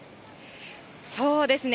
そうですね。